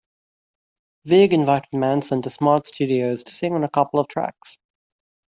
Vig invited Manson to Smart Studios to sing on a couple of tracks.